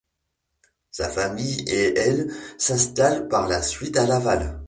Sa famille et elle s'installent par la suite à Laval.